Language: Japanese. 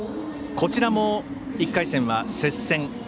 こちらも１回戦は接戦。